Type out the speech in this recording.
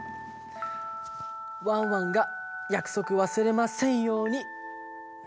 ワンワンがやくそくわすれませんように。